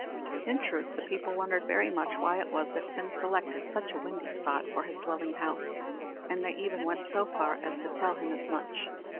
In truth, the people wondered very much why it was that Fin selected such a windy spot for his dwelling house, and they even went so far as to tell him as much.